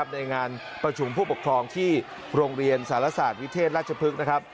ในงานประชุมผู้ปกครองที่โรงเรียนสารศาสตร์วิเทศราชพฤกษ์นะครับ